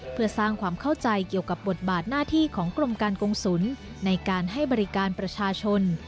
เพื่อสร้างความเข้าใจเกี่ยวกับบทบาทหน้าที่ของกรมการกงศุลในการให้บริการประชาชน